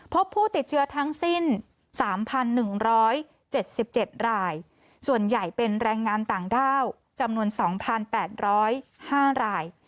พบผู้ติดเชื้อทั้งสิ้น๓๑๗๗รายส่วนใหญ่เป็นแรงงานต่างด้าวจำนวน๒๘๐๕ราย